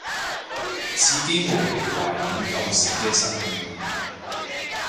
自己無聊緬懷舊時嘅實驗